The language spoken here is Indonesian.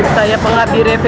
saya pengganti revenue